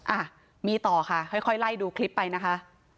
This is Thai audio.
อ่ะมีต่อค่ะค่อยไล่ดูคลิปไปนะคะ